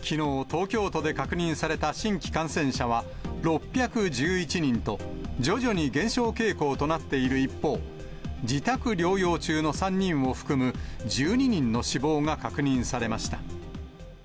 きのう、東京都で確認された新規感染者は、６１１人と、徐々に減少傾向となっている一方、自宅療養中の３人を含む１２人の死亡が確認されました。